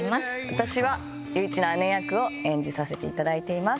私は裕一の姉役を演じさせていただいています。